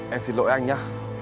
em xin lỗi anh nhé